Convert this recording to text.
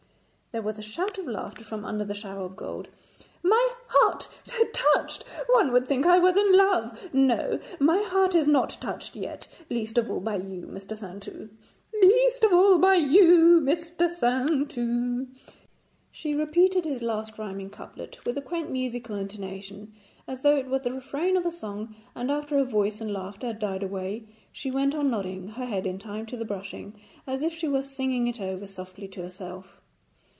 There was a shout of laughter from under the shower of gold. 'My heart touched! One would think I was in love. No, my heart is not touched yet; least of all by you, Mr. Saintou. 'Least of all by you, Mr. Saintou.' She repeated this last rhyming couplet with a quaint musical intonation, as though it was the refrain of a song, and after her voice and laughter had died away she went on nodding her head in time to the brushing as if she were singing it over softly to herself.